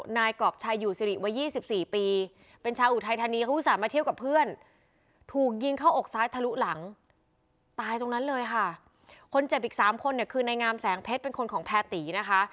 ตายตรงนั้นเลยค่ะคนเจ็บอีก๓คนเนี่ยคือนายงามแสงเพชรเป็นคนของแพร่ตี๋นะคะ